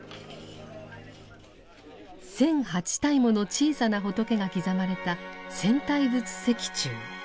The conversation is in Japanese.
１，００８体もの小さな仏が刻まれた千体仏石柱。